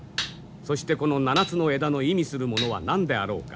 そしてこの７つの枝の意味するものは何であろうか。